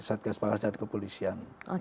satgas pangan dan kepolisian